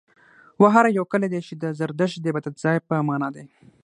وهاره يو کلی دی، چې د زرتښت د عبادت ځای په معنا دی.